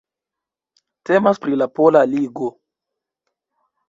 Temas pri la Pola Ligo.